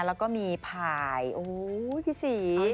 แล้วก็มีถ่ายโอ้โหพี่ศรี